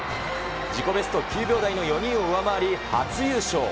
自己ベスト９秒台の４人を上回り、初優勝。